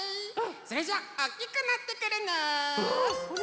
それじゃあおっきくなってくるね！